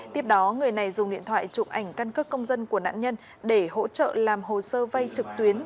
tiếp đó người này dùng điện thoại trụ ảnh căn cước công dân của nạn nhân để hỗ trợ làm hồ sơ vay trực tuyến